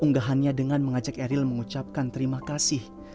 unggahannya dengan mengajak eril mengucapkan terima kasih